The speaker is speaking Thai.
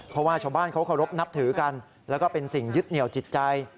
เพราะว่าชาวบ้านเขาเคารพนับถือกันแล้วก็เป็นสิ่งยึดเหนียวจิตใจ